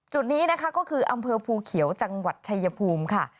จุดนี้นะคะก็คืออำเภอภูเขียวจังหวัดชายภูมิค่ะ